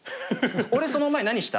俺その前何した？